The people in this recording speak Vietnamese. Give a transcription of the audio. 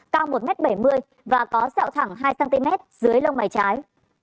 cao một m bảy mươi và có sẹo thẳng hai cm dưới lông mày trái